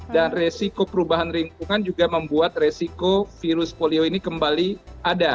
dan resiko perubahan lingkungan juga membuat resiko virus polio ini kembali ada